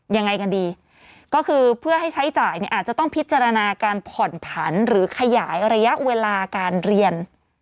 ยังไงกันดีก็คือเพื่อให้ใช้จ่ายเนี่ยอาจจะต้องพิจารณาการผ่อนผันหรือขยายระยะเวลาการเรียน